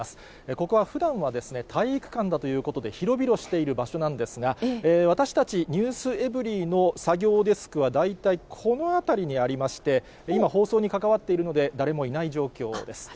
ここは、ふだんは体育館だということで、広々している場所なんですが、私たち、ｎｅｗｓｅｖｅｒｙ．の作業デスクは、大体この辺りにありまして、今、放送に関わっているので、誰もいない状況です。